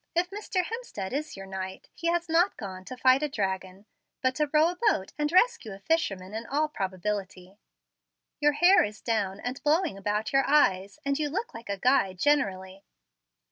If Mr. Hemstead is your 'knight,' he has not gone to fight a dragon, but to row a boat, and rescue a fisherman in all probability. Your hair is down and blowing about your eyes, and you look like a guy generally."